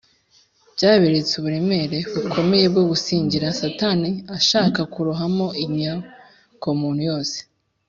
byaberetse uburemere bukomeye bwo gusigingira satani ashaka kurohamo inyokomuntu yose,